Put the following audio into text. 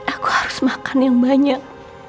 aku harus makan yang banyak